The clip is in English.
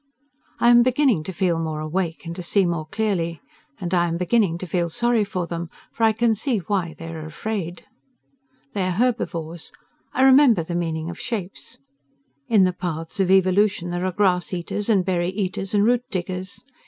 I am beginning to feel more awake and to see more clearly. And I am beginning to feel sorry for them, for I can see why they are afraid. They are herbivores. I remember the meaning of shapes. In the paths of evolution there are grass eaters and berry eaters and root diggers.